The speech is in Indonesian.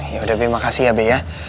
yaudah be makasih ya be ya